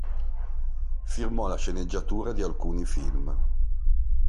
Firmò la sceneggiatura di alcuni film.